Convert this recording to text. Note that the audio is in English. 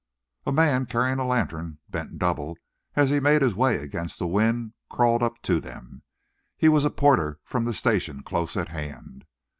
A man carrying a lantern, bent double as he made his way against the wind, crawled up to them. He was a porter from the station close at hand.